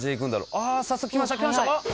あっ早速来ました来ました！